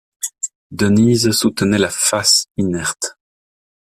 Denise soutenait la face inerte.